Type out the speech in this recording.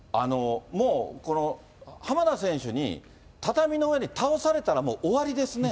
もうこの浜田選手に畳の上で倒されたら終わりですね。